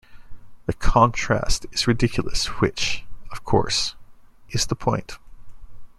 The contrast is ridiculous which, of course, is the point.